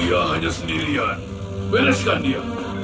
dia hanya sendirian bereskan dia